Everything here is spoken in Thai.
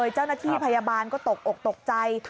เจ้าหน้าที่พยาบาลก็ตกอกตกใจ